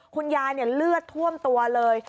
คุณยายเลือดท่วมตัวเลย